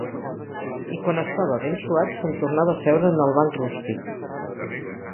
I quan estava ben suat s'entornava a seure en el banc rústic